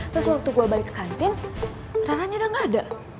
terus waktu gue balik ke kantin rananya udah gak ada